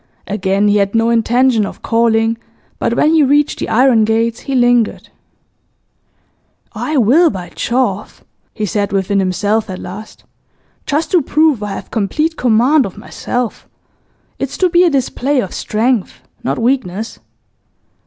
Again he had no intention of calling, but when he reached the iron gates he lingered. 'I will, by Jove!' he said within himself at last. 'Just to prove I have complete command of myself. It's to be a display of strength, not weakness.